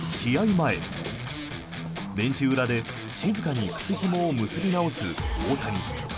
前、ベンチ裏で静かに靴ひもを結び直す大谷。